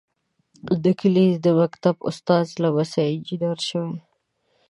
د کلي د مکتب استاد لمسی انجنیر شوی.